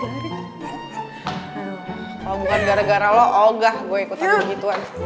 aduh kalo bukan gara gara lo oh gak gue ikutan begitu aja